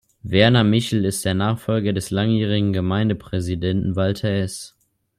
Werner Michel ist der Nachfolger des langjährigen Gemeindepräsidenten Walter Ess.